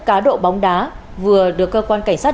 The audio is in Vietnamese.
cá độ bóng đá vừa được cơ quan cảnh sát